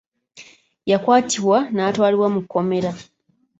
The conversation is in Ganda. Yakwatibwa n'atwalibwa mu kkomera.